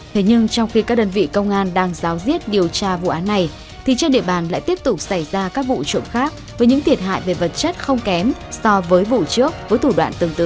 thế nhưng trong khi các đơn vị công an đang giáo diết điều tra vụ án này thì trên địa bàn lại tiếp tục xảy ra các vụ trộm khác với những thiệt hại về vật chất không kém so với vụ trước với thủ đoạn tương tự